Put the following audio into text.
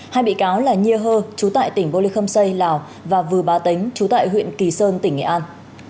hai bị cáo là nhiê hơ chú tại tỉnh bô lê khâm sây lào và vư ba tính chú tại huyện kỳ sơn tỉnh nghệ an